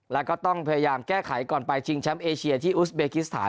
แล้วก็ต้องพยายามแก้ไขก่อนไปชิงแชมป์เอเชียที่อุสเบกิสถาน